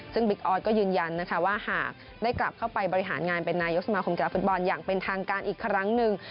ซึ่งบิ๊กออสก็ยืนยันนะคะว่าหากได้กลับเข้าไปบริหารงานเป็นนายกสมาคมกีฬาฟุตบอลอย่างเป็นทางการอีกครั้งหนึ่ง